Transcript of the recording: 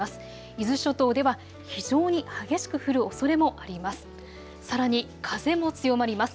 伊豆諸島では非常に激しく降るおそれもあります。